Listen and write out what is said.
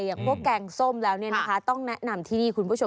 อย่างพวกแกงส้มแล้วเนี่ยนะคะต้องแนะนำทีดีคุณผู้ชม